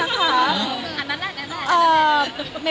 อย่างนั้นน่ะ